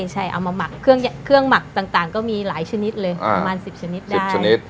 ใช่เอามาหมักเครื่องหมักต่างก็มีหลายชนิดเลยประมาณ๑๐ชนิดได้ชนิด